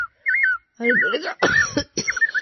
Alberga un espacio único, partido por un arco carpanel.